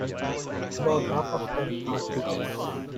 About half of them are teachers.